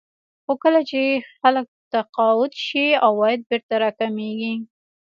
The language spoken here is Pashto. خو کله چې خلک تقاعد شي عواید بېرته راکمېږي